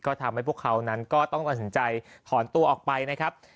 ก็ทำให้พวกเขานั้นก็ต้องตัดสินใจถอนตัวออกไปนะครับ